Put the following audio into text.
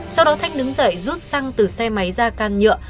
sau đó thách đứng dậy rút xăng từ xe máy ra can nhựa